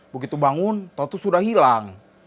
begitu bangun toto sudah hilang